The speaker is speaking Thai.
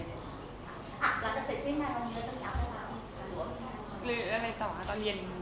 อ่ะแล้วจะเสร็จสิ้นมาตรงนี้หรือจะมีอัพเตอร์บานหรือว่าไม่ได้